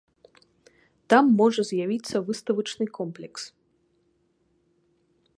Там можа з'явіцца выставачны комплекс.